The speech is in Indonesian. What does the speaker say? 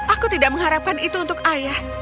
aku tidak mengharapkan itu untuk ayah